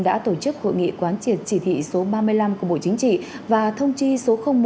đã tổ chức hội nghị quán triệt chỉ thị số ba mươi năm của bộ chính trị và thông chi số một